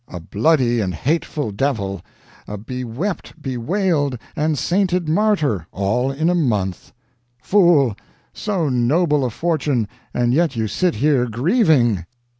A bloody and hateful devil a bewept, bewailed, and sainted martyr all in a month! Fool! so noble a fortune, and yet you sit here grieving!"